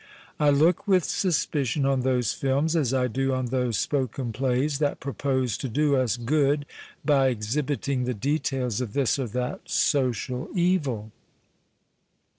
I look with suspicion on those films, as I do on those " spoken " plays, that propose to do us good by exhibiting the details of this or that " social evil."